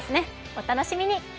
お楽しみに。